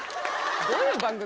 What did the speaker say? どういう番組？